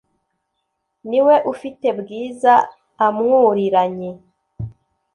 niwe ufite bwiza amwuriranye